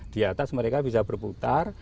di atas mereka bisa berputar